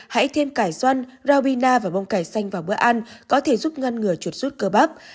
hãy thêm cải xoăn rau bina và bông cải xanh vào bữa ăn có thể giúp ngăn ngừa chuột suốt cơ bắp